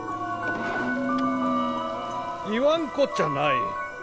言わんこっちゃない。